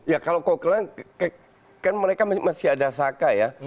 ya kalau cockland kan mereka masih ada saka ya